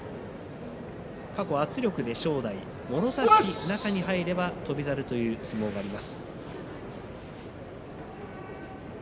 過去は圧力で正代もろ差し、中に入れば翔猿という相撲があります。